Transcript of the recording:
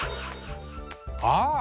ああ！